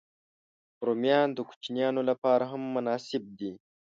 رومیان د کوچنيانو لپاره هم مناسب دي